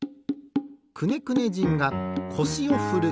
くねくね人がこしをふる。